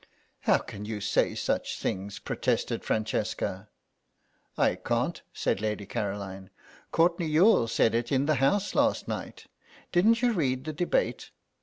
"How can you say such things?" protested Francesca. "I can't," said Lady Caroline; "Courtenay Youghal said it in the House last night. Didn't you read the debate?